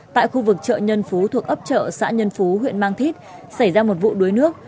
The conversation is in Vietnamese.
tại khu vực chợ nhân phú thuộc ấp chợ xã nhân phú huyện mang thít xảy ra một vụ đuối nước